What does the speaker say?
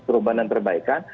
perubahan dan perbaikan